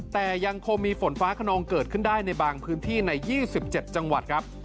แต่ยังคงมีฝนฟ้าขนองเกิดขึ้นได้ในบางพื้นที่ใน๒๗จังหวัดครับ